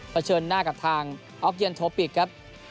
เฉินหน้ากับทางออกเย็นโทปิกครับ